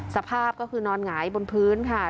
สภาพก็คือนอนหงายบนพื้นค่ะ